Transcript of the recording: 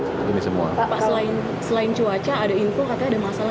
pak selain cuaca ada info katanya ada masalah di lambung kapalnya ini benar atau enggak sih pak